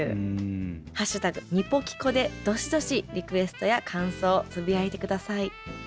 「＃にぽきこ」でどしどしリクエストや感想つぶやいて下さい。